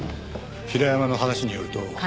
平山の話によると。